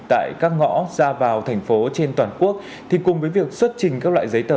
tại các ngõ ra vào thành phố trên toàn quốc thì cùng với việc xuất trình các loại giấy tờ